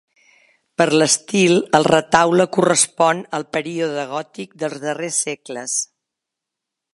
Per l'estil el retaule correspon al període gòtic dels darrers segles.